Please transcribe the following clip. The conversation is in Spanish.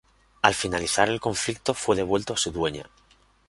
Al finalizar el conflicto fue devuelto a su dueña.